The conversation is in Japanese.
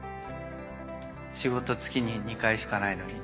仕事月に２回しかないのに？